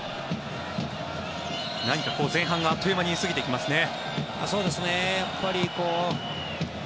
何か前半が、あっという間に過ぎていきますね。